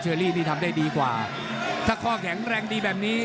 อรี่นี่ทำได้ดีกว่าถ้าข้อแข็งแรงดีแบบนี้